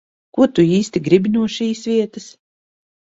Ko tu īsti gribi no šīs vietas?